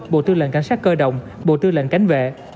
bộ tư lệnh cảnh sát cơ động bộ tư lệnh cảnh vệ